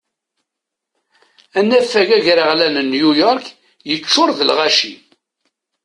Anafag agraɣlan n New York yeččur d lɣaci.